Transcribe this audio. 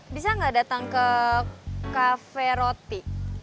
bisa gak datang ke cafe roti